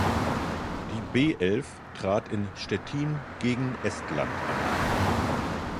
Die B-Elf trat in Stettin gegen Estland an.